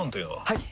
はい！